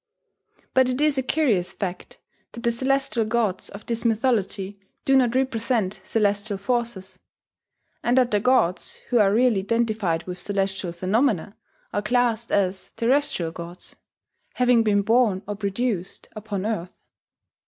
But it is a curious fact that the celestial gods of this mythology do not represent celestial forces; and that the gods who are really identified with celestial phenomena are classed as terrestrial gods, having been born or "produced" upon earth.